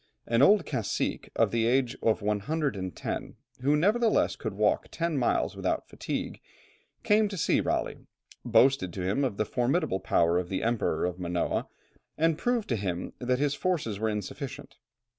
An old cacique of the age of 110, who nevertheless could still walk ten miles without fatigue, came to see Raleigh, boasted to him of the formidable power of the Emperor of Manoa, and proved to him that his forces were insufficient.